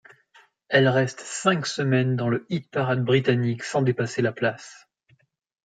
Elle reste cinq semaines dans le hit-parade britannique sans dépasser la place.